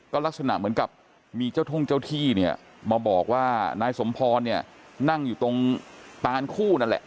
ลักษณะเหมือนกับมีเจ้าท่องเจ้าที่เนี่ยมาบอกว่านายสมพรเนี่ยนั่งอยู่ตรงตานคู่นั่นแหละ